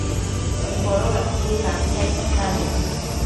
Codocaquin tantiaquidta nec